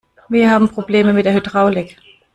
Wir haben Probleme mit der Hydraulik.